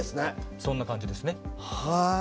そんな感じですね。